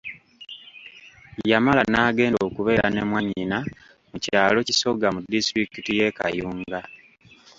Yamala n'agenda okubeera ne mwanyina mu kyalo kisoga mu disitulikiti y'e Kayunga.